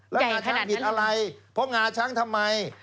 แล้วงาช้างผิดอะไรเพราะงาช้างทำไม